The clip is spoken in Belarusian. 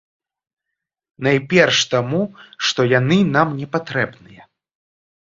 Найперш таму, што яны нам не патрэбныя.